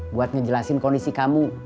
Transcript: buat ngejelasin kondisi kamu